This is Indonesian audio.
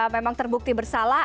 memang terbukti bersalah